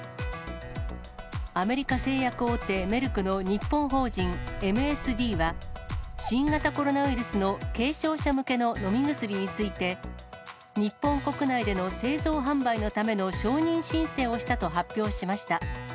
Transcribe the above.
アメリカ製薬大手、メルクの日本法人ＭＳＤが、新型コロナウイルスの軽症者向けの飲み薬について、日本国内での製造・販売のための承認申請をしたと発表しました。